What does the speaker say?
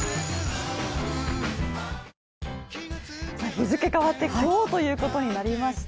日付変わって今日ということになりました。